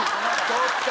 ちょっと！